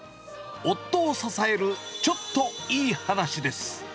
夫を支えるちょっといい話です。